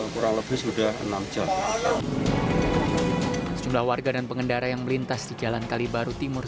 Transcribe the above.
kurang lebih sudah enam jam sejumlah warga dan pengendara yang melintas di jalan kalibaru timur